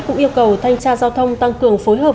cũng yêu cầu thanh tra giao thông tăng cường phối hợp